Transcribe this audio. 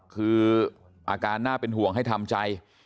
คืออาการน่าเป็นห่วงให้ทำใจ